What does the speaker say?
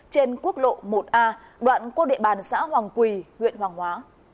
trên quốc lộ một a đoạn qua địa bàn xã hoàng quỳ huyện hoàng hóa